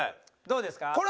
どうですか？